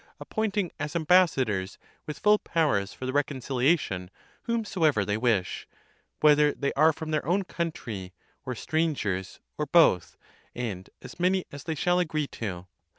appointing as ambassadors with full powers for the reconciliation, whomsoever they wish ; whether they are from their own country, or strangers, or both ; and as many as they shall agree to.